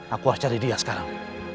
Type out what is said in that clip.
aku harus cari dia sekarang